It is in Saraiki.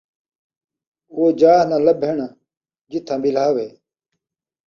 او جاہ نہ لبھݨ جتھاں ٻلہاوے